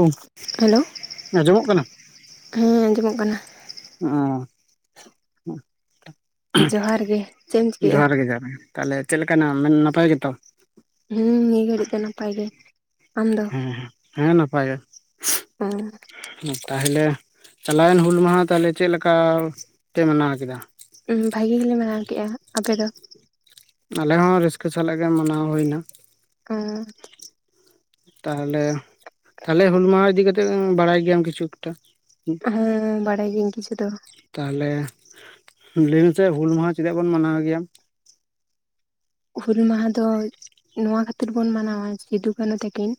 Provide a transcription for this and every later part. ᱚ ᱦᱮᱞᱳ ᱟᱸᱡᱚᱢᱚᱜ ᱠᱟᱱᱟ ᱦᱮᱸ ᱟᱸᱡᱚᱢᱚᱜ ᱠᱟᱱᱟ ᱚᱸ ᱡᱚᱦᱟᱨ ᱜᱮ ᱪᱮᱫ ᱮᱢ ᱪᱤᱠᱟᱹᱭᱮᱜᱼᱟ ᱡᱚᱦᱟᱨ ᱜᱮ ᱡᱚᱦᱟᱨ ᱜᱮ ᱛᱟᱦᱞᱮ ᱪᱮᱫ ᱞᱮᱠᱟ ᱢᱮᱱᱟᱢᱟ ᱱᱟᱯᱟᱭ ᱜᱮᱛᱚ ᱦᱮᱸ ᱱᱤᱭᱟᱹ ᱜᱷᱟᱨᱤᱡ ᱫᱚ ᱱᱟᱯᱟᱭ ᱜᱮ ᱟᱢ ᱫᱚ ᱦᱮᱸ ᱦᱮᱸ ᱦᱮᱸ ᱱᱟᱯᱟᱭ ᱜᱮ ᱚᱸ ᱛᱟᱦᱚᱞᱮ ᱪᱟᱞᱟᱣᱮᱱ ᱦᱩᱞ ᱢᱟᱦᱟ ᱛᱟᱦᱚᱞᱮ ᱪᱮᱫ ᱞᱮᱠᱟ ᱯᱮ ᱢᱟᱱᱟᱣ ᱠᱮᱫᱟ ᱵᱷᱟᱹᱜᱤ ᱜᱮᱞᱮ ᱢᱟᱱᱟᱣ ᱠᱮᱜᱼᱟ ᱟᱯᱮ ᱫᱚ ᱟᱞᱮ ᱦᱚᱸ ᱨᱟᱹᱥᱠᱟᱹ ᱥᱟᱞᱟᱜ ᱜᱮ ᱢᱟᱱᱟᱣ ᱦᱩᱭ ᱮᱱᱟ ᱚᱸ ᱛᱟᱦᱚᱞᱮ ᱛᱟᱦᱞᱮ ᱦᱩᱞᱢᱟᱦᱟ ᱤᱫᱤ ᱠᱟᱛᱮ ᱵᱟᱲᱟᱭ ᱜᱮᱭᱟᱢ ᱠᱤᱪᱷᱩ ᱮᱠᱴᱟ ᱦᱮᱸ ᱵᱟᱲᱟᱭ ᱜᱤᱭᱟᱹᱧ ᱠᱤᱪᱷᱩ ᱮᱠᱴᱟ ᱛᱟᱦᱚᱞᱮ ᱞᱟᱹᱭ ᱢᱮᱥᱮ ᱦᱩᱞ ᱢᱟᱦᱟ ᱪᱮᱫᱟᱜ ᱵᱚᱱ ᱢᱟᱱᱟᱣ ᱜᱮᱭᱟ ᱦᱩᱞ ᱢᱟᱦᱟ ᱫᱚ ᱱᱚᱣᱟ ᱠᱷᱟᱹᱛᱤᱨ ᱵᱚᱱ ᱢᱟᱱᱟᱣᱟ ᱥᱤᱫᱩ ᱠᱟᱹᱱᱩ ᱛᱟᱹᱠᱤᱱ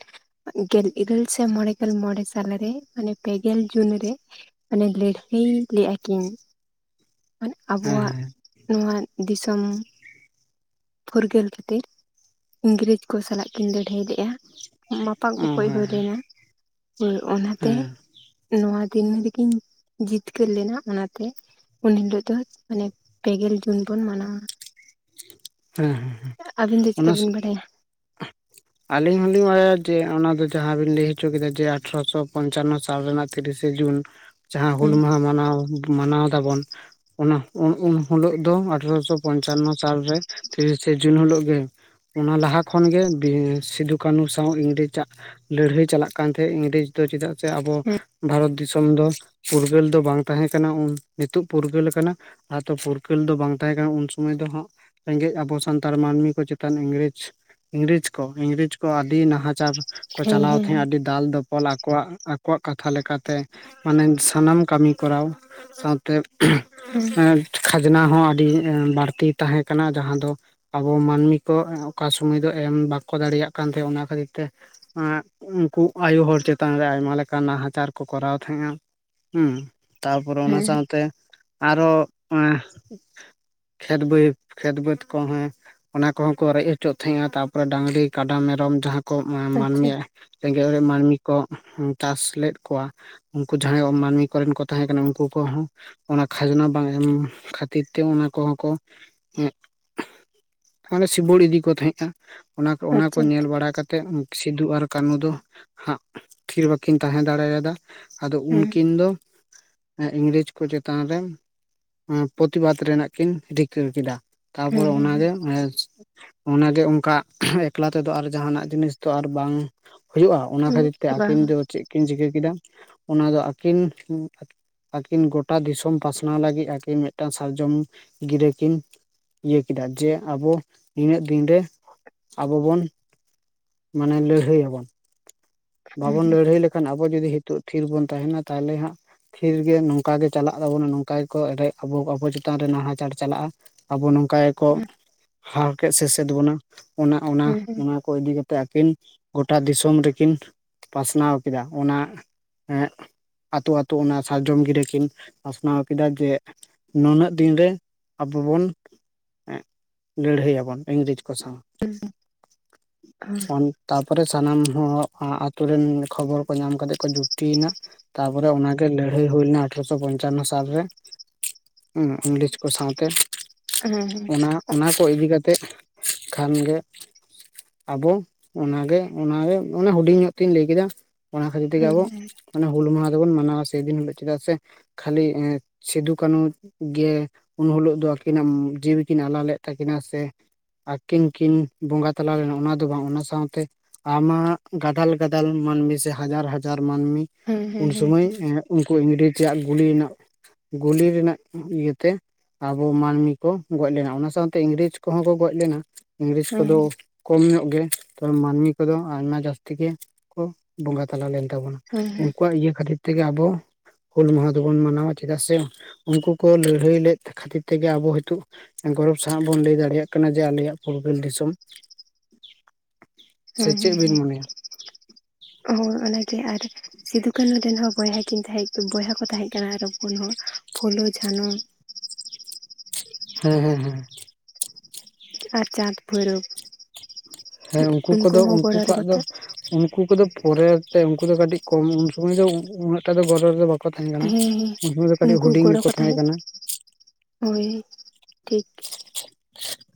ᱜᱮᱞ ᱤᱨᱟᱹᱞ ᱥᱮᱭ ᱢᱚᱬᱮᱜᱞ ᱢᱚᱬᱮ ᱥᱟᱞᱮ ᱨᱮ ᱢᱟᱱᱮ ᱯᱮᱜᱮᱞ ᱡᱩᱱ ᱨᱮ ᱢᱟᱱᱮ ᱞᱟᱹᱲᱦᱟᱹᱭ ᱞᱮᱫᱼᱟ ᱠᱤᱱ ᱢᱟᱱᱮ ᱦᱮᱸ ᱟᱵᱚᱣᱟᱜ ᱦᱮᱸ ᱱᱚᱣᱟ ᱫᱤᱥᱚᱢ ᱯᱷᱩᱨᱜᱟᱹᱞ ᱠᱷᱟᱛᱤᱨ ᱤᱝᱨᱮᱡᱽ ᱠᱚ ᱥᱟᱞᱟᱜ ᱠᱤᱱ ᱞᱟᱹᱲᱦᱟᱹᱭ ᱞᱮᱫᱼᱟ ᱢᱟᱯᱟᱜ ᱚ ᱜᱚᱯᱚᱡ ᱦᱮᱸ ᱦᱩᱭ ᱞᱮᱱᱟ ᱦᱳᱭ ᱚᱱᱟᱛᱮ ᱦᱮᱸ ᱱᱚᱣᱟ ᱛᱤᱦᱤᱱ ᱨᱮᱠᱤᱱ ᱡᱤᱛᱠᱟᱹᱨ ᱞᱮᱱᱟ ᱚᱱᱟᱛᱮ ᱩᱱ ᱦᱤᱞᱳᱜ ᱫᱚ ᱢᱟᱱᱮ ᱯᱮᱜᱮᱞ ᱡᱩᱱ ᱵᱚᱱ ᱢᱟᱱᱟᱣᱟ ᱦᱮᱸ ᱦᱮᱸ ᱟᱹᱵᱤᱱ ᱫᱚ ᱪᱤᱠᱟᱹ ᱵᱤᱱ ᱵᱟᱰᱟᱭᱟ ᱟᱞᱤᱧ ᱦᱚᱸᱞᱤᱧ ᱵᱟᱲᱟᱭᱟ ᱡᱮ ᱚᱱᱟᱫᱚ ᱡᱟᱦᱟᱸ ᱵᱤᱱ ᱞᱟᱹᱭ ᱦᱚᱪᱚ ᱠᱮᱫᱟ ᱡᱮ ᱟᱴᱷᱨᱚᱥᱚ ᱯᱚᱧᱪᱟᱱᱱᱚ ᱥᱟᱞ ᱨᱮᱱᱟᱜ ᱛᱤᱨᱤᱥ ᱮ ᱡᱩᱱ ᱡᱟᱦᱟᱸ ᱦᱩᱞ ᱦᱮᱸ ᱢᱟᱦᱟ ᱢᱟᱱᱟᱣ ᱢᱟᱱᱟᱣ ᱫᱟᱵᱚᱱ ᱩᱱᱦᱤᱞᱳ ᱫᱚ ᱟᱴᱷᱨᱚᱥᱚ ᱯᱚᱧᱪᱟᱱᱱᱚ ᱥᱟᱞᱨᱮ ᱛᱤᱨᱤᱥ ᱥᱮ ᱡᱩᱱ ᱦᱤᱞᱳᱜ ᱜᱮ ᱚᱱᱟ ᱞᱟᱦᱟ ᱠᱷᱚᱱᱜ ᱜᱮ ᱥᱤᱫᱩ ᱠᱟᱹᱱᱩ ᱥᱟᱶ ᱤᱝᱨᱮᱡᱽᱟᱜ ᱞᱟᱹᱲᱦᱟᱹᱭ ᱪᱟᱞᱟᱜ ᱠᱟᱱ ᱛᱟᱦᱮᱸᱫ ᱤᱝᱨᱮᱡᱽ ᱫᱚ ᱪᱮᱫᱟᱜ ᱟᱵᱚ ᱵᱷᱟᱨᱚᱛ ᱫᱤᱥᱚᱢ ᱩᱱ ᱫᱚ ᱯᱷᱩᱨᱜᱟᱹᱞ ᱫᱚ ᱵᱟᱝ ᱛᱟᱦᱮᱸ ᱠᱟᱱᱟ ᱩᱱ ᱱᱤᱛᱚᱜ ᱯᱷᱩᱨᱜᱟᱹᱞ ᱟᱠᱟᱱᱟ ᱟᱨᱛᱚ ᱯᱷᱩᱨᱜᱟᱹᱞ ᱫᱚ ᱵᱟᱝ ᱛᱟᱦᱮᱸ ᱠᱟᱱᱟ ᱩᱱ ᱥᱚᱢᱚᱭ ᱫᱚ ᱦᱟᱸᱜ ᱨᱮᱸᱜᱮᱡ ᱟᱵᱚ ᱥᱟᱱᱛᱟᱲ ᱢᱟᱹᱱᱢᱤ ᱠᱚ ᱪᱮᱛᱟᱱ ᱤᱝᱨᱮᱡᱽ ᱤᱝᱨᱮᱡᱽ ᱠᱚ ᱤᱝᱨᱮᱡᱽ ᱠᱚ ᱟᱹᱰᱤ ᱱᱟᱦᱟᱪᱟᱨ ᱠᱚ ᱦᱮᱸ ᱪᱟᱞᱟᱣ ᱛᱟᱦᱮᱸᱜ ᱦᱮᱸ ᱟᱹᱰᱤ ᱫᱟᱞ ᱫᱟᱯ ᱚᱞ ᱟᱠᱚᱣᱟᱜ ᱟᱠᱚᱣᱟᱜ ᱠᱟᱛᱷᱟ ᱞᱮᱠᱟᱛᱮ ᱢᱟᱱᱮ ᱥᱟᱱᱟᱢ ᱠᱟᱹᱢᱤ ᱠᱚᱨᱟᱣ ᱥᱟᱶᱛᱮ ᱦᱮᱸ ᱠᱷᱟᱡᱽᱱᱟ ᱦᱚᱸ ᱟᱹᱰᱤ ᱵᱟᱹᱲᱛᱤ ᱛᱟᱦᱮᱸ ᱠᱟᱱᱟ ᱡᱟᱦᱟᱸ ᱫᱚ ᱟᱵᱚ ᱢᱟᱹᱱᱢᱤ ᱠᱚ ᱚᱠᱟ ᱥᱩᱢᱟᱹᱭ ᱫᱚ ᱮᱢ ᱵᱟ ᱠᱚ ᱫᱟᱲᱮᱭᱟᱜ ᱠᱟᱱ ᱛᱮᱸ ᱚᱱᱟ ᱠᱷᱟᱹᱛᱤᱨ ᱛᱮ ᱩᱱᱠᱩ ᱟᱭᱩ ᱦᱚᱲ ᱪᱮᱛᱟᱱ ᱨᱮ ᱟᱭᱢᱟ ᱞᱮᱠᱟᱱ ᱱᱟᱦᱟᱪᱟᱨ ᱠᱚ ᱠᱚᱨᱟᱣ ᱛᱟᱦᱮᱸᱟ ᱦᱮᱸ ᱛᱟᱨᱯᱚᱨᱮ ᱚᱱᱟ ᱦᱮᱸ ᱦᱮᱸ ᱥᱟᱶᱛᱮ ᱟᱨᱦᱚ ᱮ ᱠᱷᱮᱛ ᱵᱟᱹᱭ ᱠᱷᱮᱛ ᱵᱟᱹᱫᱽ ᱠᱚ ᱦᱮᱸ ᱚᱱᱟ ᱠᱚᱦᱚᱸ ᱠᱚ ᱨᱮᱡ ᱦᱚᱪᱚᱜ ᱛᱟᱦᱮᱸᱜᱼᱟ ᱛᱟᱯᱚᱨᱮ ᱰᱟᱝᱨᱤ ᱠᱟᱰᱟ ᱢᱮᱨᱚᱢ ᱡᱟᱦᱟᱸ ᱠᱚ ᱟᱪᱪᱷᱟ ᱢᱟᱹᱱᱢᱤᱭᱟᱜ ᱨᱮᱸᱜᱮᱡ ᱚᱨᱮᱡ ᱢᱟᱹᱱᱢᱤ ᱠᱚ ᱪᱟᱥ ᱞᱮᱫ ᱠᱚᱣᱟ ᱩᱱᱠᱩ ᱡᱟᱦᱟᱸᱭ ᱢᱟᱹᱱᱢᱤ ᱠᱚᱨᱮᱱ ᱠᱚ ᱛᱟᱦᱮᱸ ᱠᱟᱱᱟ ᱩᱱᱠᱩ ᱠᱚᱦᱚᱸ ᱠᱷᱟᱡᱽᱱᱟ ᱵᱟᱝ ᱮᱢ ᱠᱷᱟᱹᱛᱤᱨ ᱛᱮ ᱚᱱᱟ ᱠᱚᱦᱚᱸ ᱠᱚ ᱢᱟᱱᱮ ᱥᱤᱵᱩᱲ ᱤᱫᱤ ᱠᱚ ᱛᱟᱦᱮᱸᱫᱼᱟ ᱚᱱᱟ ᱚᱱᱟᱠᱚ ᱟᱪᱪᱷᱟ ᱧᱮᱞ ᱟᱪᱪᱷᱟ ᱵᱟᱲᱟ ᱠᱟᱛᱮᱫ ᱥᱤᱫᱩ ᱟᱨ ᱠᱟᱹᱱᱩ ᱫᱚ ᱦᱟᱸᱜ ᱛᱷᱤᱨ ᱵᱟᱠᱤᱱ ᱛᱟᱦᱮᱸ ᱫᱟᱲᱮᱭᱟᱫᱟ ᱟᱫᱚ ᱦᱮᱸ ᱩᱱᱠᱤᱱ ᱫᱚ ᱤᱝᱨᱮᱡᱽ ᱠᱚ ᱪᱮᱛᱟᱱ ᱨᱮ ᱯᱨᱚᱛᱤᱵᱟᱫᱽ ᱨᱮᱱᱟᱜ ᱠᱤᱱ ᱨᱤᱠᱟᱹ ᱠᱮᱫᱟ ᱦᱮᱸ ᱛᱟᱯᱚᱨᱮ ᱚᱱᱟᱜᱮ ᱦᱮᱸ ᱚᱱᱟᱜᱮ ᱚᱱᱠᱟ ᱮᱠᱞᱟ ᱛᱮᱫᱚ ᱟᱨ ᱡᱱᱟᱜ ᱡᱤᱱᱤᱥ ᱫᱚ ᱟᱨ ᱵᱟᱝ ᱦᱩᱭᱩᱜᱼᱟ ᱚᱱᱟ ᱦᱮᱸ ᱠᱷᱟᱹᱛᱤᱨ ᱛᱮ ᱵᱟ ᱟᱹᱠᱤᱱ ᱫᱚ ᱪᱮᱫ ᱠᱤᱱ ᱪᱤᱠᱟᱹ ᱠᱮᱫᱟ ᱚᱱᱟ ᱫᱚ ᱟᱹᱠᱤᱱ ᱟᱹᱠᱤᱱ ᱜᱚᱴᱟ ᱫᱤᱥᱚᱢ ᱯᱟᱥᱱᱟᱣ ᱞᱟᱹᱜᱤᱫ ᱟᱹᱠᱤᱱ ᱢᱤᱫᱴᱟᱱ ᱥᱟᱨᱡᱚᱢ ᱜᱤᱨᱟᱹ ᱠᱤᱱ ᱤᱭᱟᱹ ᱠᱮᱫᱟ ᱡᱮ ᱟᱵᱚ ᱱᱤᱱᱟᱹᱜ ᱫᱤᱱᱨᱮ ᱟᱵᱚ ᱵᱚᱱ ᱢᱟᱱᱮ ᱞᱟᱹᱲᱦᱟᱹᱭᱭᱟᱵᱚᱱ ᱦᱮᱸ ᱵᱟᱵᱚᱱ ᱦᱮᱸ ᱞᱟᱹᱲᱦᱟᱹᱭ ᱞᱮᱠᱷᱟᱱ ᱟᱵᱚ ᱡᱩᱫᱤ ᱦᱤᱛᱚᱜ ᱛᱷᱤᱨ ᱵᱚᱱ ᱛᱟᱦᱮᱱᱟ ᱛᱟᱦᱚᱞᱮ ᱦᱟᱸᱜ ᱛᱷᱤᱨ ᱜᱮ ᱱᱚᱝᱠᱟ ᱜᱮ ᱪᱟᱞᱟᱜ ᱛᱟᱵᱚᱱᱟ ᱱᱚᱝᱠᱟ ᱜᱮᱠᱚ ᱨᱮ ᱟᱵᱚ ᱪᱮᱛᱟᱱ ᱨᱮ ᱱᱟᱦᱟᱪᱟᱨ ᱪᱟᱞᱟᱜᱼᱟ ᱟᱵᱚ ᱱᱚ ᱚᱠᱟᱜᱮᱠᱚ ᱦᱮᱸ ᱦᱟᱨᱠᱮ ᱥᱟᱥᱮᱫ ᱵᱚᱱᱟ ᱚᱱᱟ ᱚᱱᱟ ᱦᱮᱸ ᱦᱮᱸ ᱦᱮᱸ ᱦᱮᱸ ᱦᱮᱸ ᱦᱮᱸ ᱦᱮᱸ ᱚᱱᱟ ᱦᱮᱸ ᱠᱚ ᱤᱫᱤ ᱠᱟᱛᱮ ᱟᱹᱠᱤᱱ ᱜᱚᱴᱟ ᱫᱤᱥᱚᱢ ᱨᱮᱠᱤᱱ ᱯᱟᱥᱱᱟᱣ ᱠᱮᱫᱟ ᱚᱱᱟ ᱮᱸᱜ ᱟᱛᱳ ᱟᱛᱳ ᱚᱱᱟ ᱥᱟᱨᱡᱚᱢ ᱜᱤᱨᱟᱹ ᱠᱤᱱ ᱯᱟᱥᱱᱟᱣ ᱠᱮᱫᱟ ᱡᱮ ᱱᱩᱱᱟᱹᱜ ᱫᱤᱱᱨᱮ ᱟᱵᱚᱵᱚᱱ ᱞᱟᱹᱲᱦᱟᱹᱭᱭᱟᱵᱚᱱ ᱤᱝᱨᱮᱡᱽ ᱠᱚ ᱥᱟᱸᱣ ᱛᱟᱯᱚᱨᱮ ᱥᱟᱱᱟᱢ ᱦᱚᱲ ᱟᱛᱳ ᱨᱮᱱ ᱠᱷᱚᱵᱚᱨ ᱠᱚ ᱧᱟᱢ ᱠᱟᱛᱮ ᱠᱚ ᱡᱩᱠᱛᱤᱭᱮᱱᱟ ᱛᱟᱯᱚᱨᱮ ᱚᱱᱟ ᱜᱮ ᱞᱟᱹᱲᱦᱟᱹᱭ ᱦᱩᱭ ᱞᱮᱱᱟ ᱟᱴᱷᱨᱚᱚᱥᱚ ᱯᱚᱧᱪᱟᱱᱱᱚ ᱥᱟ ᱛᱟᱯᱨᱮ ᱤᱝᱞᱤᱥ ᱠᱚ ᱥᱟᱶᱛᱮ ᱚᱱᱟ ᱚᱱᱟ ᱠᱚ ᱤᱫᱤ ᱠᱟᱛᱮ ᱠᱷᱟᱱ ᱜᱮ ᱟᱵᱚ ᱚᱱᱟᱜᱮ ᱚᱱᱟᱜᱮ ᱚᱱᱮ ᱦᱩᱰᱤᱧ ᱧᱚᱜ ᱛᱤᱧ ᱞᱟᱹᱭ ᱠᱮᱫᱟ ᱚᱱᱟ ᱠᱷᱟᱹᱛᱤᱨ ᱛᱮᱜᱮ ᱟᱵᱚ ᱢᱟᱱᱮ ᱦᱩᱞ ᱢᱟᱦᱟ ᱫᱚᱵᱚᱱ ᱢᱟᱱᱟᱣᱟ ᱥᱮᱫᱤᱱ ᱦᱤᱞᱳᱜ ᱪᱮᱫᱟᱜ ᱥᱮ ᱠᱷᱟᱞᱞᱤ ᱥᱤᱫᱩ ᱠᱟᱹᱱᱩ ᱜᱮ ᱩᱱ ᱦᱤᱞᱳ ᱫᱚ ᱩᱱᱠᱤᱱᱟᱜ ᱡᱤᱣᱤ ᱠᱤᱱ ᱟᱞᱟ ᱞᱮᱫ ᱛᱟᱹᱠᱤᱱᱟ ᱥᱮ ᱟᱹᱠᱤᱱ ᱠᱤᱱ ᱵᱚᱸᱜᱟ ᱛᱟᱞᱟᱣ ᱞᱮᱱᱟ ᱚᱱᱟ ᱫᱚ ᱵᱟᱝ ᱚᱱᱟ ᱥᱟᱶᱛᱮ ᱟᱢᱟᱜ ᱜᱟᱫᱟᱞ ᱜᱟᱫᱞ ᱢᱟᱹᱱᱢᱤ ᱥᱮ ᱦᱟᱡᱟᱨ ᱦᱟᱡᱟᱨ ᱢᱟᱹᱱᱢᱤ ᱩᱱ ᱥᱩᱢᱟᱹᱭ ᱩᱱᱠᱩ ᱤᱝᱨᱮᱡ ᱡᱟᱜ ᱜᱩᱞᱤ ᱨᱮᱱᱟᱜ ᱜᱩᱞᱤ ᱨᱮᱱᱟᱜ ᱤᱭᱟᱹᱛᱮ ᱟᱵᱚ ᱢᱟᱹᱱᱢᱤ ᱠᱚ ᱜᱚᱡ ᱞᱮᱱᱟ ᱚᱱᱟ ᱥᱟᱶᱛᱮ ᱤᱝᱨᱮᱡᱽ ᱠᱚᱦᱚᱸ ᱠᱚ ᱜᱚᱡ ᱞᱮᱱᱟ ᱤᱝᱨᱮᱡᱽ ᱠᱚᱫᱚ ᱦᱮᱸ ᱠᱚᱢ ᱧᱚᱜ ᱜᱮ ᱛ ᱢᱟᱹᱱᱢᱤ ᱠᱚᱫᱚ ᱟᱭᱢᱟ ᱡᱟᱹᱥᱛᱤ ᱜᱮ ᱠᱚ ᱵᱚᱸᱜᱟ ᱛᱟᱞᱟ ᱞᱮᱱ ᱛᱟᱵᱚᱱᱟ ᱦᱮᱸ ᱩᱱᱠᱩᱣᱟᱜ ᱤᱭᱟᱹ ᱠᱷᱟᱹᱛᱤᱨ ᱛᱮᱜᱮ ᱟᱵᱚ ᱦᱩᱞ ᱢᱟᱦᱟ ᱫᱚᱵᱚᱱ ᱢᱟᱱᱟᱣᱟ ᱪᱮᱫᱟᱜ ᱥᱮ ᱩᱱᱠᱩ ᱠᱚ ᱞᱟᱹᱲᱦᱟᱹᱭ ᱞᱮᱫ ᱠᱷᱟᱹᱛᱤᱨ ᱛᱮᱜᱮ ᱟᱵᱚ ᱱᱤᱛᱚᱜ ᱥᱟᱶ ᱵᱚᱱ ᱞᱟᱹᱭ ᱫᱟᱲᱮᱭᱟᱜ ᱠᱟᱱᱟ ᱡᱮ ᱟᱞᱮᱭᱟᱜ ᱯᱷᱩᱨᱜᱟᱹᱞ ᱫᱤᱥᱚᱢ ᱥᱮ ᱪᱮᱫ ᱵᱤᱱ ᱢᱚᱱᱮᱭᱟ ᱦ ᱟ ᱟᱨ ᱥᱤᱫᱩ ᱠᱟᱹᱱᱩ ᱨᱮᱱ ᱦᱚᱸ ᱵᱚᱭᱦᱟ ᱠᱤᱱ ᱛᱟᱦᱮᱸ ᱵᱚᱭᱦᱟ ᱠᱚ ᱛᱟᱦᱮᱸ ᱠᱟᱱᱟ ᱟᱨ ᱦᱚᱸ ᱯᱷᱳ ᱦᱚ ᱯᱷᱩᱞᱚ ᱡᱷᱟᱱᱚ ᱢᱷᱟᱱᱚ ᱦᱮᱸ ᱦᱮᱸ ᱦᱮᱸ ᱟᱨ ᱪᱟᱸᱫᱽ ᱵᱚᱭᱨᱚᱵᱽ ᱦᱮᱸ ᱩᱱᱠᱩ ᱠᱚᱫᱚ ᱩᱱᱠᱩ ᱠᱚᱣᱟᱜ ᱫᱚ ᱩᱱᱠᱩ ᱠᱚᱫᱚᱵ ᱯᱚᱨᱮᱛᱮ ᱩᱱᱠᱩ ᱫᱚ ᱠᱟᱹᱴᱤᱡ ᱠᱚᱢ ᱥᱚᱢᱚᱭ ᱫᱚ ᱩᱱᱟᱹᱜ ᱴᱟᱜ ᱫᱚ ᱜᱚᱨᱚ ᱨᱮ ᱫᱚ ᱵᱟᱠ ᱦᱮᱸ ᱦᱮ ᱩᱱᱠᱩ ᱜᱚᱲᱚ ᱜᱮᱠᱚ ᱠᱚ ᱛᱟᱦᱮᱸ ᱠᱟᱱᱟ ᱦᱚᱭ ᱴᱷᱤᱠ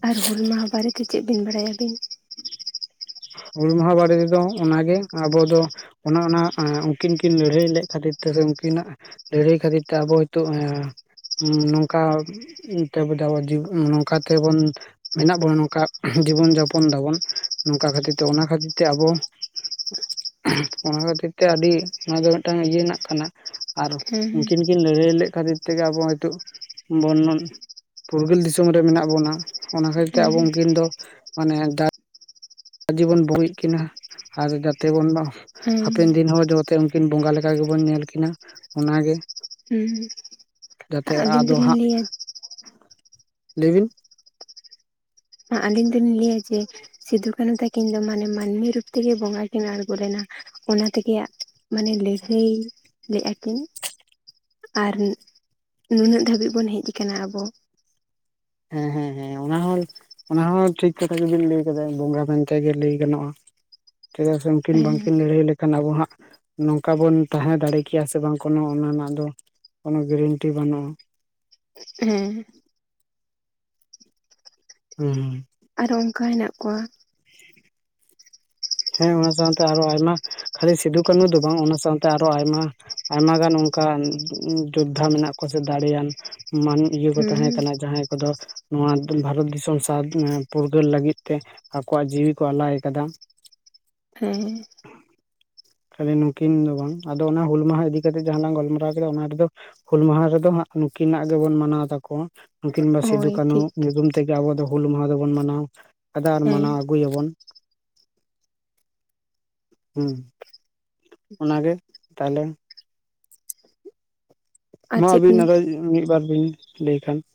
ᱟᱨ ᱦᱩᱞ ᱢᱟᱦᱟᱸ ᱵᱟᱨᱮᱛᱮ ᱪᱮᱫ ᱵᱤᱱ ᱵᱟᱲᱟᱭᱟᱵᱤᱱ ᱦᱩᱞ ᱢᱟᱦᱟᱸ ᱵᱟᱨᱮ ᱛᱮᱫᱚ ᱚᱱᱟᱜᱮ ᱟᱵᱚ ᱫᱚ ᱚᱱᱮ ᱚᱱᱟ ᱩᱱᱠᱤᱱ ᱠᱤᱱ ᱞᱟᱹᱲᱦᱟᱹᱭ ᱞᱮᱫ ᱠᱷᱟᱹᱛᱤᱨ ᱤᱨ ᱛᱮ ᱩᱱᱠᱤᱱᱟᱜ ᱞᱟᱹᱲᱦᱟᱹᱭ ᱠᱷᱟᱹᱛᱤᱨ ᱛᱮ ᱟᱵᱚ ᱦᱚᱭᱛᱚ ᱱᱚᱝᱠᱟ ᱱᱚᱝᱠᱟ ᱛᱮᱵᱚᱱ ᱢᱮᱱᱟᱜ ᱵᱚᱱᱟ ᱱᱚᱝᱠᱟ [inaudible] ᱡᱤᱵᱚᱱ ᱡᱟᱯᱚᱱ ᱫᱟᱵᱚᱱ ᱱᱚᱝᱠᱟ ᱠᱷᱟᱹᱛᱤᱨ ᱛᱮ ᱚᱱᱟ ᱠᱷᱟᱹᱛᱤᱨ ᱛᱮ ᱟᱵᱚ ᱚᱱᱟ ᱠᱷᱟᱹᱛᱤᱨ ᱛᱮ ᱟᱹᱰᱤ ᱚᱱᱟ ᱫᱚ ᱢᱤᱫᱴᱟᱝ ᱤᱭᱟᱹ ᱨᱮᱱᱟᱜ ᱠᱟᱱᱟ ᱟᱨ ᱦᱮᱸ ᱩᱱᱠᱤᱱ ᱠᱤᱱ ᱞᱟᱹᱲᱦᱟᱹᱭ ᱞᱮᱫ ᱠᱷᱟᱹᱛᱤᱨ ᱛᱮᱜᱮ ᱟᱵᱚ ᱱᱤᱛᱚᱜ ᱵᱚᱨᱱᱚᱱ ᱯᱷᱩᱨᱜᱟᱹᱞ ᱫᱤᱥᱚᱢ ᱨᱮ ᱢᱮᱱᱟᱜ ᱵᱚᱱᱟ ᱚᱱᱟ ᱠᱷᱟᱹᱛᱤᱨ ᱛᱮ ᱦᱮᱸ ᱟᱵᱚ ᱩᱱᱠᱤᱱ ᱫᱚ ᱢᱟᱱᱮ ᱡᱤᱵᱚᱱ ᱵᱩᱜᱤᱜ ᱠᱤᱱᱟᱹ ᱟᱨ ᱡᱟᱛᱮ ᱵᱚᱱ ᱦᱮᱸ ᱦᱟᱯᱮᱱ ᱫᱤᱱ ᱦᱚᱸ ᱡᱚᱛᱮ ᱩᱱᱠᱤᱱ ᱵᱚᱸᱜᱟ ᱞᱮᱠᱟ ᱜᱮᱵᱚᱱ ᱧᱮᱞ ᱠᱤᱱᱟ ᱚᱱᱟᱜᱮ [unintelligible] ᱦᱮᱸ ᱡᱟᱛᱮ ᱟᱹᱞᱤᱧ ᱟᱫᱚ ᱫᱚᱞᱤᱧ ᱦᱟᱸᱜ ᱞᱟᱹᱭᱟ ᱞᱟᱹᱭ ᱵᱤᱱ ᱟᱹᱞᱤᱧ ᱫᱚᱞᱤᱧ ᱞᱟᱹᱭᱟ ᱡᱮ ᱥᱤᱫᱩ ᱠᱟᱹᱱᱩ ᱛᱟᱹᱠᱤᱱ ᱫᱚ ᱢᱟᱱᱮ ᱢᱟᱹᱱᱢᱤ ᱨᱩᱯ ᱛᱮᱜᱮ ᱵᱚᱸᱜᱟ ᱠᱤᱱ ᱟᱬᱜᱳ ᱞᱮᱱᱟ ᱚᱱᱟ ᱛᱮᱜᱮ ᱢᱟᱱᱮ ᱞᱟᱹᱲᱦᱟᱹᱭ ᱞᱮᱫᱼᱟ ᱠᱤᱱ ᱟᱨ ᱱᱩᱱᱟᱹᱜ ᱫᱷᱟᱹᱵᱤᱜ ᱵᱩᱝ ᱦᱮᱡ ᱠᱟᱱᱟ ᱟᱵᱩ ᱦᱮᱸ ᱦᱮᱸ ᱦᱮᱸ ᱚᱱᱟ ᱦᱚᱸ ᱚᱱᱟᱦᱚᱸ ᱴᱷᱤᱠ ᱠᱟᱛᱷᱟ ᱜᱮᱵᱤᱱ ᱞᱟᱹᱭ ᱟᱠᱟᱫᱟ ᱵᱚᱝᱜᱟ ᱮᱱᱠᱟᱜᱮ ᱜᱮ ᱞᱟᱹᱭ ᱜᱟᱱᱚᱜᱼᱟ ᱪᱮᱫᱟᱜ ᱥᱮ ᱩᱱᱠᱤᱱ ᱦᱮᱸ ᱵᱟᱝᱠᱤᱱ ᱞᱟᱹᱲᱦᱟᱹᱭ ᱞᱮᱠᱷᱟᱱ ᱟᱵᱩ ᱦᱟᱸᱜ ᱱᱚᱝᱠᱟ ᱵᱚᱱ ᱛᱟᱦᱮᱸ ᱫᱟᱲᱮ ᱠᱮᱭᱟ ᱥᱮ ᱵᱟᱝ ᱠᱳᱱᱳ ᱚᱱᱟ ᱨᱮᱱᱟᱜ ᱫᱚ ᱠᱳᱱᱳ ᱜᱮᱨᱮᱱᱴᱤ ᱵᱟᱹᱱᱩᱜᱼᱟ ᱦᱮᱸ ᱦᱩᱸ ᱦᱩᱸ ᱟᱨ ᱚᱱᱠᱟ ᱦᱮᱱᱟᱜ ᱠᱚᱣᱟ [unintelligible] ᱦᱮᱸ ᱚᱱᱟ ᱥᱟᱶᱛᱮ ᱟᱨᱚ ᱟᱭᱢᱟ ᱠᱷᱟᱹᱞᱤ ᱥᱤᱫᱚᱠᱟᱱᱩ ᱫᱚ ᱵᱟᱝ ᱚᱱᱟ ᱥᱟᱶᱛᱮ ᱟᱨᱚ ᱟᱭᱢᱟ ᱟᱭᱢᱟ ᱜᱟᱱ ᱚᱱᱠᱟᱱ ᱡᱳᱫᱽᱫᱷᱟ ᱢᱮᱱᱟᱜ ᱠᱚᱣᱟ ᱥᱮ ᱫᱟᱲᱮᱭᱟᱱ ᱢᱟᱹᱱ ᱤᱭᱟᱹ ᱠᱚ ᱦᱮᱸ ᱛᱟᱸᱦᱮ ᱠᱟᱱᱟ ᱡᱟᱦᱟᱸᱭ ᱠᱚᱫᱚ ᱱᱚᱣᱟ ᱵᱷᱟᱨᱚᱛ ᱫᱤᱥᱚᱢ ᱥᱟᱶ ᱯᱷᱩᱨᱜᱟᱹᱞ ᱞᱟᱹᱜᱤᱫ ᱛᱮ ᱟᱠᱚᱣᱟᱜ ᱡᱤᱣᱤ ᱠᱚ ᱟᱞᱟᱭ ᱟᱠᱟᱫᱟ ᱦᱮᱸ ᱠᱷᱟᱹᱞᱤ ᱱᱩᱠᱤᱱ ᱫᱚ ᱵᱟᱝ ᱟᱫᱚ ᱦᱩᱞ ᱢᱟᱦᱟᱸ ᱮᱫᱤ ᱠᱟᱛᱮᱜ ᱡᱟᱦᱟᱞᱟᱝ ᱜᱟᱞᱢᱟᱨᱟᱶ ᱠᱮᱫᱟ ᱚᱱᱟᱨᱮ ᱫᱚ ᱦᱩᱞ ᱢᱟᱦᱟᱸ ᱨᱮᱫᱚ ᱦᱟᱸᱜ ᱱᱩᱠᱤᱱᱟᱜ ᱜᱮᱵᱚᱱ ᱢᱟᱱᱟᱶ ᱛᱟᱠᱚᱣᱟ ᱩᱠᱤᱱ ᱫᱚ ᱥᱤᱫᱩ ᱦᱳᱭ ᱠᱟᱹᱱᱦᱩ ᱴᱷᱤᱠ ᱧᱩᱛᱩᱢ ᱛᱮᱜᱮ ᱟᱵᱚ ᱫᱚ ᱦᱩᱞ ᱢᱟᱦᱟ ᱫᱚᱵᱩᱱ ᱢᱟᱱᱟᱣ ᱟᱠᱟᱫᱟ ᱟᱨ ᱦᱮᱸ ᱢᱟᱱᱟᱣ ᱟᱹᱜᱩᱭᱟᱵᱩᱱ ᱦᱮᱸ ᱚᱱᱟᱜᱮ ᱛᱟᱦᱞᱮ ᱟᱨ ᱢᱟ ᱪᱮᱫ ᱟᱹᱵᱤᱱ ᱵᱤᱱ ᱟᱨᱚᱸ ᱢᱤᱫᱵᱟᱨ ᱵᱤᱱ ᱞᱟᱹᱭ ᱠᱷᱟ [inaudible]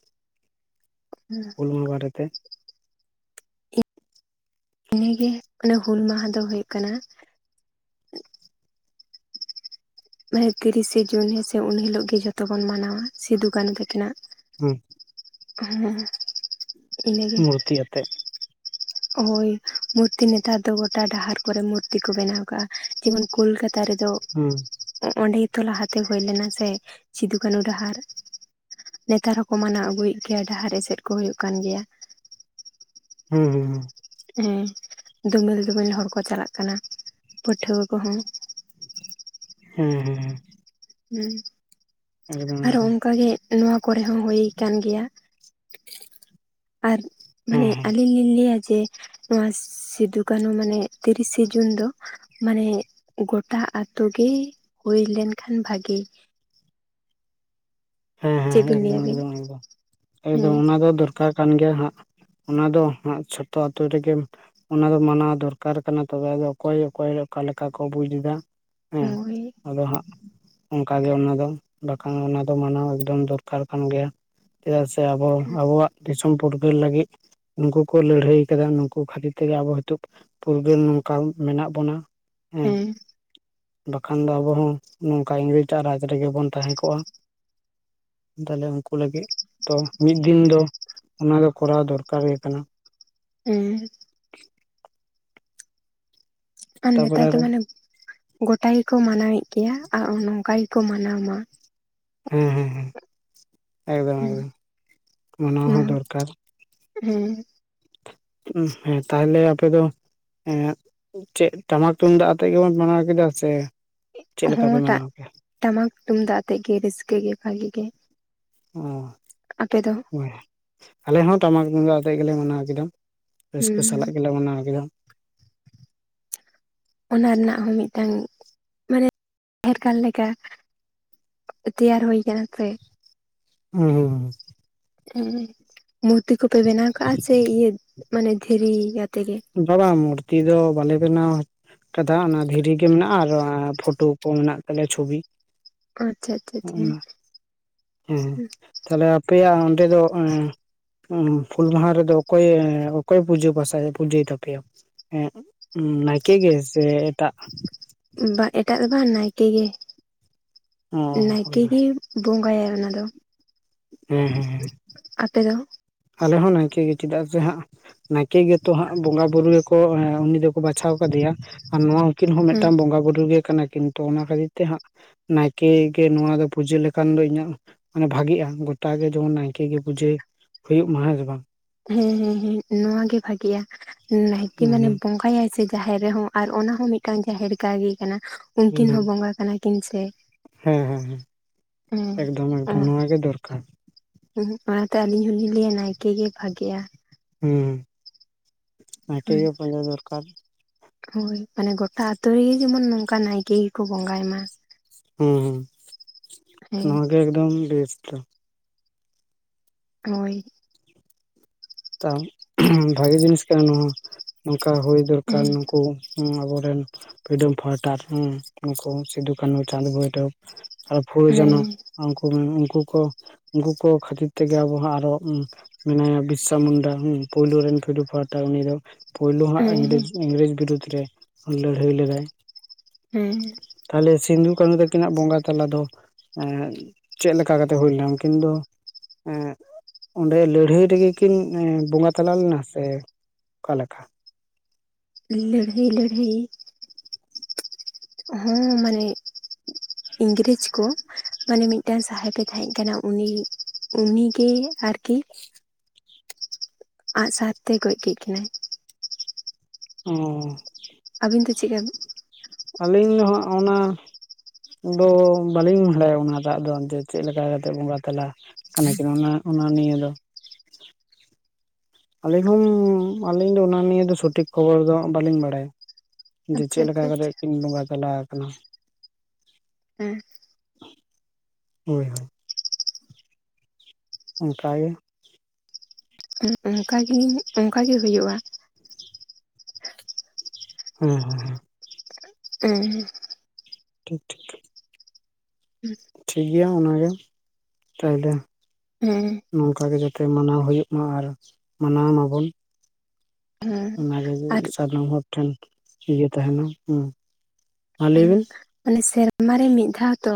ᱦᱩᱞ ᱢᱟᱦᱟᱸ ᱵᱟᱨᱮᱛᱮ ᱤᱱᱟᱹᱜᱮ ᱚᱱᱮ ᱦᱩᱞ ᱢᱟᱦᱟᱸᱫᱚ ᱦᱩᱭᱩᱜ ᱠᱟᱱᱟ ᱢᱟᱱᱮ ᱛᱤᱨᱤᱥᱮ ᱡᱩᱱ ᱦᱮᱥᱮ ᱩᱱ ᱦᱤᱞᱳᱜ ᱜᱮ ᱡᱷᱚᱛᱚ ᱵᱚᱱ ᱢᱟᱱᱟᱣᱟ ᱥᱤᱫᱚ ᱠᱟᱱᱩ ᱛᱟᱹᱠᱤᱱᱟᱜ ᱦᱮᱸ [unintelligible] ᱦᱮᱸ ᱢᱩᱨᱛᱤ ᱟᱛᱮᱜ ᱦᱚᱭ ᱢᱩᱨᱛᱤ ᱱᱮᱛᱟᱨ ᱫᱚ ᱜᱚᱴᱟ ᱰᱟᱦᱟᱨ ᱠᱚᱨᱮ ᱢᱩᱨᱛᱤ ᱠᱚ ᱵᱮᱱᱟᱣ ᱠᱟᱜᱼᱟ ᱡᱮᱢᱚᱱ ᱠᱳᱞᱠᱟᱛ ᱛᱟᱨ ᱨᱮᱫᱚ ᱦᱩᱸ ᱚᱸᱰᱮ ᱛᱚ ᱞᱟᱦᱟᱛᱮ ᱦᱩᱭ ᱞᱮᱱᱟ ᱥᱮ ᱥᱤᱫᱩ ᱠᱟᱹᱱᱩ ᱰᱟᱦᱟᱨ ᱱᱮᱛᱟᱨ ᱦᱚᱸᱠᱚ ᱢᱟᱱᱟᱣ ᱟᱹᱜᱩᱭᱮᱫ ᱜᱮᱭᱟ ᱰᱟᱦᱟᱨ ᱮᱥᱮᱫ ᱠᱚ ᱦᱩᱭᱩᱜ ᱠᱟᱱ ᱜᱮᱭᱟ ᱦᱩᱸ ᱦᱩᱸ ᱦᱮᱸ ᱫᱚᱢᱮᱞ ᱫᱚᱢᱮᱞ ᱦᱚᱲ ᱠᱚ ᱪᱟᱞᱟᱜ ᱠᱟᱱᱟ ᱯᱟᱹᱴᱷᱩᱣᱟᱹ ᱠᱚᱦᱚᱸ ᱦᱮᱸ ᱟᱨᱚ ᱚᱱᱠᱟᱜᱮ ᱱᱚᱣᱟ ᱠᱚᱨᱮ ᱦᱚᱸ ᱦᱩᱭ ᱠᱟᱱ ᱜᱮᱭᱟ ᱟᱨ ᱦᱮᱸ ᱢᱟᱱᱮ ᱟᱹᱞᱤᱧ ᱞᱤᱧ ᱞᱟᱹᱭᱟ ᱡᱮ ᱱᱚᱣᱟ ᱥᱤᱫᱩ ᱠᱟᱹᱱᱩ ᱢᱟᱱᱮ ᱛᱤᱨᱤᱥᱮ ᱡᱩᱱ ᱫᱚ ᱢᱟᱱᱮ ᱜᱚᱴᱟ ᱟᱛᱳ ᱜᱮ ᱦᱩᱭ ᱞᱮᱱᱠᱷᱟᱱ ᱵᱷᱟᱜᱮ ᱦᱮᱸ ᱦᱮᱸ ᱪᱮᱫ ᱦᱮᱸ ᱵᱤᱱ ᱞᱟᱹᱭ ᱮᱠᱫᱚᱢ ᱟᱹᱵᱤᱱ ᱮᱠᱫᱚᱢ ᱮᱠᱫᱚᱢ ᱮᱠᱫᱚᱢ ᱚᱱᱟ ᱫᱚ ᱫᱚᱨᱠᱟᱨ ᱠᱟᱱ ᱜᱮᱭᱟ ᱦᱟᱸᱜ ᱚᱱᱟ ᱫᱚ ᱡᱷᱚᱛᱚ ᱟᱛᱳ ᱨᱮᱜᱮ ᱚᱱᱟ ᱫᱚ ᱢᱟᱱᱟᱣ ᱫᱚᱨᱠᱟᱨ ᱠᱟᱱᱟ ᱛᱚᱵᱮ ᱚᱠᱚᱭ ᱚᱠᱚᱭ ᱚᱠᱟ ᱞᱮᱠᱟ ᱠᱚ ᱵᱩᱡᱽ ᱮᱫᱟ ᱦᱮᱸ ᱦᱳᱭ ᱟᱫᱚ ᱦᱟᱸᱜ ᱚᱱᱠᱟᱜᱮ ᱚᱱᱟ ᱫᱚ ᱵᱟᱠᱷᱟᱱ ᱢᱟᱱᱟᱣ ᱮᱠᱫᱚᱢ ᱫᱚᱨᱠᱟᱨ ᱠᱟᱱ ᱜᱮ ᱪᱮᱫᱟᱜ ᱟᱵᱚ ᱯᱷᱩᱨᱜᱟᱹᱞ ᱞᱟᱹᱜᱤᱫ ᱱᱩᱠᱩ ᱠᱚ ᱞᱟᱹᱲᱦᱟᱹᱭ ᱠᱟᱫᱟ ᱱᱩᱠᱩ ᱠᱷᱟᱹᱛᱤᱨ ᱛᱮᱜᱮ ᱟᱵᱚ ᱱᱤᱛᱚᱜ ᱯᱷᱩᱨᱜᱟᱹᱞ ᱱᱚᱝᱠᱟ ᱢᱮᱱᱟᱜ ᱵᱚᱱᱟ ᱦᱮᱸ ᱵᱟᱠᱷᱟᱱ ᱫᱚ ᱟᱵᱚ ᱦᱚᱸ ᱱᱚᱝᱠᱟ ᱤᱝᱨᱮᱡᱽ ᱟᱟᱜ ᱨᱟᱡᱽ ᱨᱮᱜᱮ ᱵᱚᱱ ᱛᱟᱦᱮᱸ ᱠᱚᱜᱼᱟ ᱛᱟᱦᱞᱮ ᱩᱱᱠᱩ ᱞᱟᱹᱜᱤᱫ ᱛᱚ ᱢᱤᱫ ᱫᱤᱱ ᱫᱚ ᱚᱱᱟ ᱫᱚ ᱠᱚᱨᱟᱣ ᱫᱚᱨᱠᱟᱨ ᱜᱮ ᱠᱟᱱᱟ ᱦᱮᱸ ᱟᱨ ᱛᱟᱯᱚᱨᱮ ᱱᱮᱛᱟᱨ ᱫᱚ ᱟᱨᱚ ᱢᱟᱱᱮ ᱜᱚᱴᱟ ᱜᱮᱠᱚ ᱢᱟᱱᱟᱣᱮᱫ ᱜᱮᱭᱟ ᱟᱨ ᱱᱚᱝᱠᱟ ᱜᱮᱠᱚ ᱢᱟᱱᱟᱣ ᱟᱢ [unintelligible] ᱦᱮᱸ ᱦᱮᱸ ᱮᱠᱫᱚᱢ ᱦᱮᱸ ᱮᱠᱫᱚᱢ ᱢᱟᱱᱟᱣ ᱦᱚᱸ ᱱᱚᱣᱟ ᱫᱚᱨᱠᱟᱨ ᱦᱮᱸ ᱦᱮᱸ ᱛᱟᱦᱚᱞᱮ ᱟᱯᱮ ᱫᱚ ᱦᱮᱸ ᱪᱮᱫ ᱴᱟᱢᱟᱠ ᱛᱩᱢᱫᱟᱜ ᱟᱛᱮᱜ ᱜᱮᱵᱚᱱ ᱵᱮᱟᱱᱟᱣ ᱠᱮᱫᱟ ᱥᱮ ᱪᱮᱫ ᱞᱮᱠᱟ ᱦᱚᱸ ᱯᱮ ᱢᱟᱱᱟᱣ ᱠᱮᱜᱼᱟ ᱴᱟᱢᱟᱠ ᱛᱩᱢᱫᱟᱜ ᱟᱛᱮᱜ ᱜᱮ ᱨᱟᱹᱥᱠᱟᱹ ᱜᱮ ᱵᱷᱟᱹᱜᱤ ᱜᱮ ᱟᱯᱮ ᱫᱚ ᱟᱞᱮ ᱦᱚᱸ ᱴᱟᱢᱟᱠ ᱛᱩᱢᱫᱟᱜ ᱟᱛᱮᱫ ᱜᱮᱞᱮ ᱢᱟᱱᱟᱣ ᱠᱮᱫᱟ ᱨᱟᱹᱥᱠᱟᱹ ᱦᱩᱸ ᱥᱟᱞᱟᱜ ᱜᱮᱞᱮ ᱢᱟᱱᱟᱣ ᱠᱮᱫᱟ ᱚᱱᱟ ᱨᱮᱱᱟᱜ ᱦᱚᱸ ᱢᱤᱫᱴᱟᱝ ᱢᱟᱱᱮ ᱯᱷᱮᱴ ᱠᱟᱱ ᱞᱮᱠᱟ ᱛᱮᱭᱟᱨ ᱦᱩᱭ ᱠᱟᱱᱟ ᱥᱮ ᱦ ᱦ [unintelligible] ᱢᱩᱨᱛᱤ ᱠᱚᱯᱮ ᱵᱮᱱᱟᱣ ᱠᱟᱜᱼᱟ ᱥᱮ ᱤᱭᱟᱹ ᱢᱟᱱᱮ ᱫᱷᱤᱨᱤ ᱟᱛᱮ ᱜᱮ? ᱵᱟᱵᱟ ᱢᱩᱨᱛᱤ ᱫᱚ ᱵᱟᱞᱮ ᱵᱮᱱᱟᱣᱟ ᱠᱟᱫᱟ ᱚᱱᱟ ᱫᱷᱤᱨᱤ ᱜᱮ ᱢᱮᱱᱟᱜᱼᱟ ᱟᱨ ᱯᱷᱳᱴᱳ ᱠᱚ ᱢᱮᱱᱟᱜ ᱛᱟᱞᱮᱭᱟ ᱪᱷᱚᱵᱤ ᱟᱪᱪᱷᱟ ᱟᱪᱪᱷᱟ ᱟᱪᱪᱷᱟ ᱦᱮᱸ ᱛᱟᱞᱦᱮ ᱟᱯᱮᱭᱟᱜ ᱚᱱᱛᱮ ᱨᱮᱫᱚ ᱦᱩᱞ ᱢᱟᱦᱟ ᱨᱮᱫᱚ ᱚᱠᱚᱭ ᱚᱠᱚᱭ ᱯᱩᱡᱟᱹ ᱯᱟᱥᱟᱭᱮᱫ ᱯᱩᱡᱟᱹᱭ ᱛᱟᱯᱮᱭᱟ ᱦᱮᱸ ᱱᱟᱭᱠᱮ ᱜᱮ ᱥᱮ ᱮᱴᱟᱜ ᱵᱟ ᱮᱴᱟᱜ ᱫᱚ ᱵᱟᱝ ᱱᱟᱭᱠᱮ ᱜᱮ ᱚ ᱦᱳᱭ ᱱᱟᱭᱠᱮ ᱦᱳᱭ ᱜᱮ ᱵᱚᱸᱜᱟᱭᱟ ᱚᱱᱟ ᱫᱚ ᱦᱮᱸ ᱟᱯᱮ ᱫᱚ ᱟᱞᱮ ᱦᱚᱸ ᱱᱟᱭᱠᱮ ᱜᱮ ᱪᱮᱫᱟᱜ ᱥᱮ ᱦᱟᱸᱜ ᱱᱟᱭᱠᱮ ᱜᱮᱛᱚ ᱦᱟᱸᱜ ᱵᱚᱸᱜᱟ ᱵᱩᱨᱩ ᱜᱮᱠᱚ ᱵᱟᱪᱷᱟᱣ ᱠᱟᱫᱮᱭᱟ ᱟᱨ ᱱᱚᱣᱟ ᱩᱠᱤᱱ ᱦᱚᱸ ᱦᱮᱸ ᱢᱤᱫᱴᱟᱝ ᱵᱚᱸᱜᱟ ᱵᱩᱨᱩ ᱜᱮ ᱠᱟᱱᱟ ᱠᱤᱱᱛᱩ ᱚᱱᱟ ᱠᱷᱟᱹᱛᱤᱨ ᱛᱮ ᱦᱟᱸᱜ ᱱᱟᱭᱠᱮ ᱜᱮ ᱱᱚᱣᱟ ᱫᱚ ᱯᱩᱡᱟᱹ ᱞᱮᱠᱷᱟᱱ ᱫᱚ ᱤᱧᱟᱹᱜ ᱢᱟᱱᱮ ᱵᱷᱟᱜᱤᱜᱼᱟ ᱜᱚᱴᱟᱜ ᱜᱮ ᱡᱮᱢᱚᱱ ᱱᱟᱭᱠᱮ ᱜᱮ ᱯᱩᱡᱟᱹ ᱦᱩᱭᱩᱜ ᱢᱟ ᱦᱮᱸ ᱥᱮ ᱵᱟᱝ ᱦᱮᱸ ᱦᱮᱸ ᱦᱮᱸ ᱱᱚᱣᱟ ᱜᱮ ᱵᱷᱟᱜᱤᱼᱟ ᱱᱟᱭᱠᱮ ᱢᱟᱱᱮ ᱦᱮᱸ ᱵᱚᱸᱜᱟᱭᱟᱭ ᱥᱮ ᱡᱟᱦᱮᱨ ᱨᱮᱦᱚᱸ ᱟᱨ ᱚᱱᱟ ᱦᱚᱸ ᱢᱤᱫᱴᱟᱝ ᱡᱟᱦᱮᱨ ᱞᱮᱠᱟ ᱜᱮ ᱩᱱᱠᱤᱱ ᱦᱚᱸ ᱵᱚᱸᱜᱟ ᱠᱟᱱᱟ ᱠᱤᱱ ᱥᱮ ᱦᱮᱸ ᱦᱮᱸ ᱦᱮᱸ ᱮᱠᱫᱚᱢ ᱮᱠᱫᱚᱢ ᱱᱚᱣᱟ ᱜᱮ ᱫᱚᱨᱠᱟᱨ ᱦᱮᱸ ᱚᱱᱟᱛᱮ ᱟᱹᱞᱤᱧ ᱦᱚᱞᱤᱧ ᱞᱟᱹᱭᱟ ᱱᱟᱭᱠᱮ ᱜᱮ ᱵᱷᱟᱜᱮᱜᱼᱟ ᱦᱩᱸ ᱟᱨ ᱱᱟᱭᱠᱮ ᱜᱮ ᱵᱟᱸᱜᱟ ᱫᱚᱨᱠᱟᱨ ᱦᱳᱭ ᱢᱟᱱᱮ ᱜᱚᱴᱟ ᱟᱛᱳ ᱨᱮᱜᱮ ᱡᱮᱢᱚᱱ ᱱᱚᱝᱠᱟ ᱱᱟᱭᱠᱮ ᱜᱮᱠᱚ ᱵᱚᱸᱜᱟᱭ ᱢᱟ ᱦᱮᱸ ᱦᱮᱸ ᱦᱮᱸ ᱱᱚᱣᱟ ᱜᱮ ᱮᱠᱫᱚᱢ ᱵᱮᱥᱴ-ᱟ ᱦᱳᱭ ᱛᱟᱣ ᱵᱷᱟᱜᱮ ᱡᱤᱱᱤᱥ ᱠᱟᱱᱟ ᱱᱚᱣᱟ ᱠᱟ ᱦᱩᱭ ᱫᱚᱨᱠᱟᱨ ᱦᱮᱸ ᱱᱩᱠᱩ ᱟᱵᱚᱨᱮᱱ ᱯᱷᱨᱤᱰᱢ ᱯᱷᱟᱭᱴᱟᱨ ᱩᱱᱠᱩ ᱥᱤᱫᱩᱼᱠᱟᱱᱩ ᱪᱟᱸᱫᱽ ᱵᱷᱳᱭᱨᱚᱵ ᱟᱨ ᱯᱷᱩᱞᱟᱹ ᱡᱟᱱᱚ ᱦᱮᱸ ᱩᱱᱠᱩ ᱩᱱᱠᱩ ᱩᱱᱠᱩ ᱠᱚ ᱠᱷᱟᱹᱛᱤᱨ ᱛᱮᱜᱮ ᱟᱵᱚ ᱦᱚᱸ ᱟᱨᱚ ᱢᱮᱱᱟᱭᱟ ᱵ ᱢᱩᱱᱰᱟ ᱦᱩ ᱯᱳᱭᱞᱳ ᱨᱮᱱ ᱯᱷᱮᱨᱳ ᱯᱟᱦᱴᱟ ᱩᱱᱤ ᱫᱚ ᱯᱩᱭᱞᱳ ᱦᱮᱸ ᱦᱟᱸᱜ ᱦᱮᱸ ᱤᱝᱨᱮᱡᱽ ᱵᱤᱨᱩᱫᱽ ᱨᱮ ᱞᱟᱹᱲᱦᱟᱹᱭ ᱞᱮᱫᱟᱭ ᱦᱮᱸ ᱛᱟᱦᱚᱞᱮ ᱥᱤᱸᱫᱩ ᱠᱟᱹ ᱛᱟᱹᱠᱤᱱᱟᱜ ᱵᱚᱸᱜᱟ ᱛᱟᱞᱟ ᱫᱚ ᱮ ᱪᱮᱫ ᱞᱮᱠᱟ ᱠᱟᱛᱮ ᱦᱩᱭ ᱞᱮᱱᱟ ᱩᱱ ᱠᱤᱱ ᱫᱚ ᱚᱸᱰᱮ ᱞᱟᱹᱲᱦᱟᱹᱭ ᱨᱮᱜᱮ ᱠᱤᱱ ᱵᱚᱸᱜᱟ ᱛᱟᱞᱟ ᱞᱮᱱᱟ ᱥᱮ ᱚᱠᱟ ᱞᱮᱠᱟ ᱞᱟᱹᱲᱦᱟᱹᱭ ᱞᱟᱹᱲᱦᱟᱹᱭ ᱦᱚᱸ ᱢᱟᱱᱮ ᱤᱝᱨᱮᱡᱽ ᱠᱚ ᱢᱟᱱᱮ ᱢᱤᱫᱴᱟᱱ ᱥᱟᱦᱮᱵᱮ ᱛᱟᱦᱮᱸ ᱠᱟᱱᱟ ᱩᱱᱤ ᱩᱱᱤᱜᱮ ᱟᱨᱠᱤ ᱟᱸᱜ ᱥᱟᱨᱛᱮ ᱜᱚᱡ ᱠᱮᱫ ᱠᱤᱱᱟᱹᱭ ᱚ [inaudible] ᱟᱹᱵᱤᱱ ᱫᱚ ᱪᱮᱫ ᱞᱮᱠᱟᱤᱱ [unintelligible] ᱟᱹᱞᱤᱧ ᱫᱚ ᱦᱟᱸᱜ ᱚᱱᱟ ᱫᱚ ᱵᱟᱹᱞᱤᱧ ᱵᱟᱲᱟᱭᱟ ᱚᱱᱟ ᱫᱟᱜ ᱫᱚ ᱪᱮᱫᱞᱮᱠᱟ ᱠᱟᱛᱮᱫ ᱵᱚᱸᱜᱟ ᱛᱟᱞᱟ ᱠᱟᱱᱟᱠᱤᱱ ᱚᱱᱟ ᱚᱱᱟ ᱱᱤᱭᱟᱹ ᱫᱚ ᱟᱹᱞᱤᱧ ᱦᱚᱸ ᱟᱹᱞᱤᱧ ᱫᱚ ᱚᱱᱟ ᱱᱤᱭᱮ ᱫᱚ ᱥᱚᱴᱷᱤᱠ ᱠᱷᱚᱵᱚᱨ ᱫᱚ ᱵᱟᱹᱞᱤᱧ ᱵᱟᱲᱟᱭᱟ ᱡᱮ ᱟᱪᱪᱷᱟ ᱪᱮᱫ ᱞᱮᱠᱟ ᱟᱪᱪᱷᱟ ᱠᱟᱛᱮᱜ ᱟᱪᱪᱷᱟ ᱠᱤᱱ ᱵᱚᱸᱜᱟ ᱛᱟᱞᱟ ᱟᱠᱟᱱᱟ ᱦᱮᱸ ᱦᱳᱭ ᱦᱳᱭ ᱚᱱᱠᱟᱜᱮ ᱚᱱᱠᱟᱟᱜᱮ ᱚᱱᱠᱟᱜᱮ ᱦᱩᱭᱩᱜᱼᱟ ᱦᱮᱸ ᱦᱮᱸ ᱦᱮᱸ ᱦᱮᱸ [inaudible] ᱴᱷᱤᱠ ᱴᱷᱤᱠ ᱴᱷ ᱜᱮᱭᱟ ᱚᱱᱟᱜᱮ ᱛᱟᱦᱚᱞᱮ ᱦᱮᱸ ᱱᱚᱝᱠᱟ ᱜᱮ ᱡᱚᱛᱚ ᱛᱮ ᱢᱟᱱᱟᱣ ᱦᱩᱭᱩᱜ ᱢᱟ ᱟᱨ ᱢᱟᱱᱟᱣ ᱢᱟᱵᱚᱱ ᱦᱮᱸ ᱚᱱᱟᱜᱮ ᱟᱨ ᱥᱟᱱᱟᱢ ᱦᱚᱲ ᱴᱷᱮᱱ ᱤᱭᱟᱹ ᱛᱟᱦᱮᱱᱟ ᱦᱮᱸ ᱢᱟ ᱞᱟᱹᱭ ᱵᱤᱱ ᱚᱱᱮ ᱥᱮᱨᱢᱟᱨᱮ ᱢᱤᱫ ᱫᱷᱟᱣ ᱛᱚ